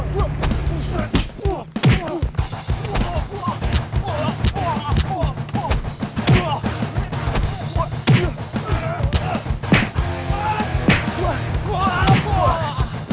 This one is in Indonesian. gak biasa aja bisa emosi ini